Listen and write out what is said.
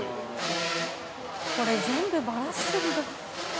これ全部バラすんだ。